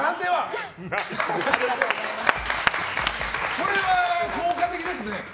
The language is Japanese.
これは効果的ですね。